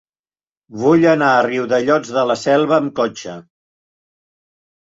Vull anar a Riudellots de la Selva amb cotxe.